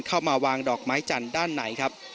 เข้ามาวางดอกไม้จันทร์ด้านไหนครับ